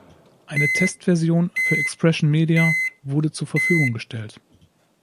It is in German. Eine Testversion für Expression Media wurde zur Verfügung gestellt.